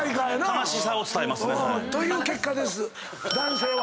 悲しさを伝えますね。という結果です男性は。